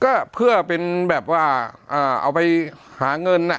ก็เพื่อเป็นแบบว่าเอาไปหาเงิน